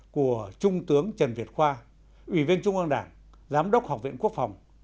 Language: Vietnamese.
của trung tướng trần việt khoa ủy viên trung an đảng giám đốc học viện quốc phòng